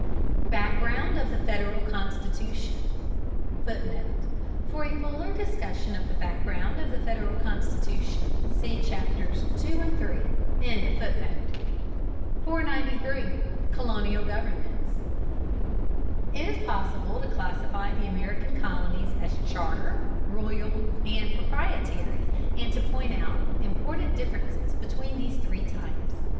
BACKGROUND OF THE FEDERAL CONSTITUTION [Footnote: For a fuller discussion of the background of the Federal Constitution, see Chapters II and III.] 493. COLONIAL GOVERNMENTS. It is possible to classify the American colonies as charter, royal, and proprietary, and to point out important differences between these three types.